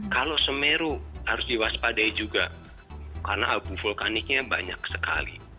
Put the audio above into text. kalau semeru harus diwaspadai juga karena abu vulkaniknya banyak sekali